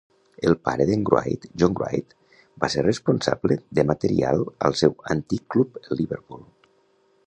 El pare de"n Wright, John Wright, va ser responsable de material al seu antic club, el Liverpool.